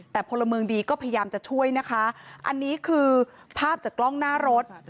แต่พลเมืองดีก็พยายามจะช่วยนะคะอันนี้คือภาพจากกล้องหน้ารถ